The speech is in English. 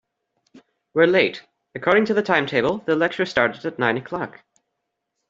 We're late! According to the timetable, the lecture started at nine o'clock